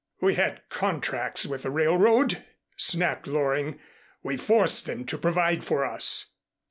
"We had contracts with the railroad," snapped Loring. "We forced them to provide for us."